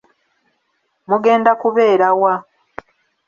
Mugenda kubeera wa?